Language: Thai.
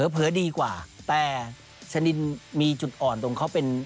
เผลอดีกว่าแต่ชะนินมีจุดอ่อนตรงเขาเป็น